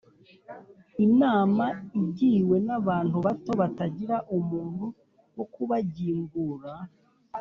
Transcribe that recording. inama igiwe n’abantu bato batagira umuntu wo kubagimbura